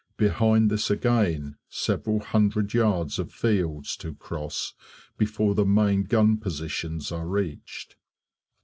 Behind this again, several hundred yards of fields to cross before the main gun positions are reached.